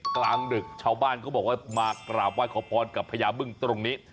กลางดึกชาวบ้านเขาบอกว่ามากราบไหว้ขอพรกับพญาบึ้งตรงนี้